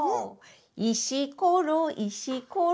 「いしころいしころ」